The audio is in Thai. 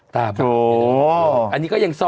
ต่ออีก๓๕๐วัน